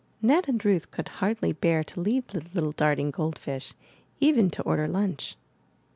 Ned and Ruth could hardly bear to leave the little darting gold fish, even to order lunch.